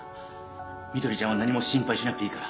碧ちゃんは何も心配しなくていいから